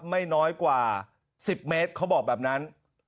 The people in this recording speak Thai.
ไม่น้อยกว่า๑๐เมตรเขาบอกแบบนั้น